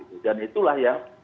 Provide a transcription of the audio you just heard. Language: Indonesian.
dan itulah yang